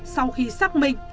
sau khi xác minh